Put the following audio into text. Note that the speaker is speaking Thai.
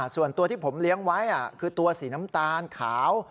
ส่วนตัวที่ผมเลี้ยงไว้คือตัวสีน้ำตาลขาว